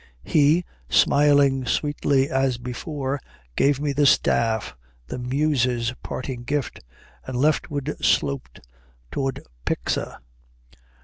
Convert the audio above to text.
He, smiling sweetly as before, Gave me the staff, 'the Muses'' And leftward sloped toward Pyxa.